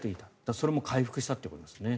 それも回復したということですね。